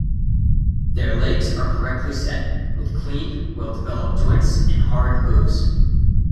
Their legs are correctly set, with clean, well-developed joints and hard hooves.